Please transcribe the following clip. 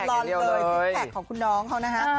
รอนเลยซิกแพคของคุณน้องเขานะฮะ